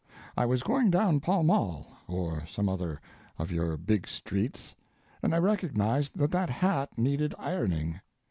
I was going down Pall Mall, or some other of your big streets, and I recognized that that hat needed ironing.